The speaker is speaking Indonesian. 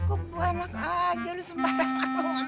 kebo enak aja lu sembarangan